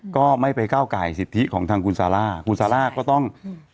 ก็ไม่ไปก้าวไก่สิทธิของทางคุณซาร่าคุณซาร่าก็ต้องอืม